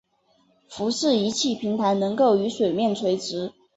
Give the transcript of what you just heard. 浮式仪器平台能够与水面垂直。